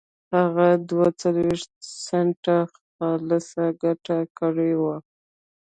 هغه دوه څلوېښت سنټه خالصه ګټه کړې وه